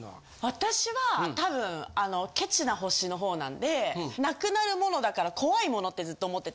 私は多分ケチな星の方なんで無くなるものだから怖いものってずっと思ってて。